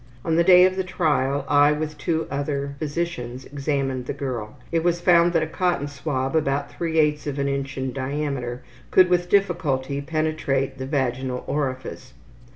On the day of the trial, I with two other physicians examined the girl. It was found that a cotton swab about 3/8 of an inch in diameter could with difficulty penetrate the vaginal orifice.